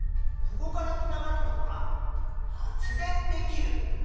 そこからつながるのは「発電できる」。